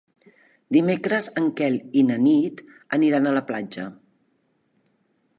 Dimecres en Quel i na Nit aniran a la platja.